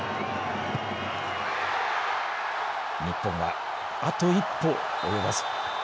日本はあと一歩及ばず。